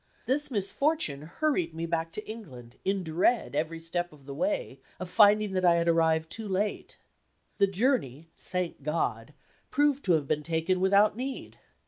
This misfortune hurried me back to England, in dread, every step of the way, of finding that I had arrived too late. The journey (thank God!) proved to have been taken without need.